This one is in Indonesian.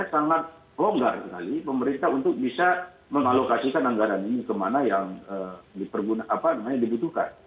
nah itu yang saya kira sangat ronggar sekali pemerintah untuk bisa mengalokasikan anggaran ini kemana yang diperguna apa namanya dibutuhkan